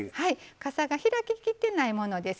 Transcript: かさが開ききってないものです。